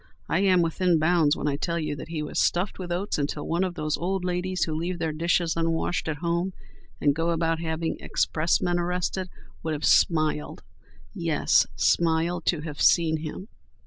I am within bounds when I tell you that he was stuffed with oats until one of those old ladies who leave their dishes unwashed at home and go about having expressmen arrested, would have smiled—yes, smiled—to have seen him.